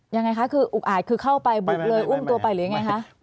ยังไงคะคืออุกอาจคือเข้าไปบุกเลยอุ้มตัวไปหรือยังไงคะ